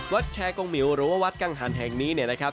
วัดแช่กงมิวหรือว่าวัดกางหันแห่งนี้นะครับ